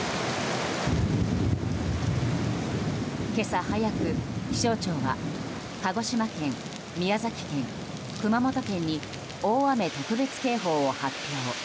今朝早く気象庁は鹿児島県、宮崎県、熊本県に大雨特別警報を発表。